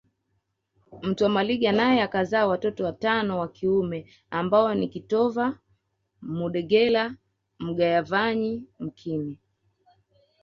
Mtwa Maliga naye akazaa watoto watano wa kiume ambao ni kitova Mudegela Mgayavanyi mkini